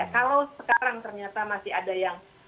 kalau sekarang ternyata masih ada yang